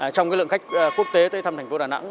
trong lượng khách quốc tế tới thăm thành phố đà nẵng